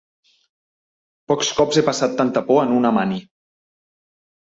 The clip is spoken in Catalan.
Pocs cops he passat tanta por en una mani.